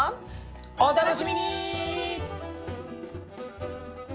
お楽しみに！